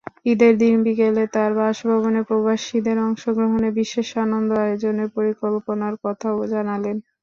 ঈদের দিন বিকেলে তার বাসভবনে প্রবাসীদের অংশগ্রহণে বিশেষ আনন্দ-আয়োজনের পরিকল্পনার কথাও জানালেন।